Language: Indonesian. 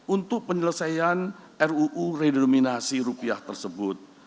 untuk penyelesaian ruu redenominasi rupiah tersebut